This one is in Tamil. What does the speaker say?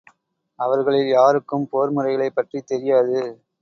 அவர்களில் யாருக்கும் போர்முறைகளைப் பற்றித் தெரியாது.